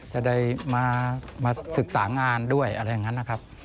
จะได้มาศึกษางานด้วยอะไรอย่างนั้นนะครับ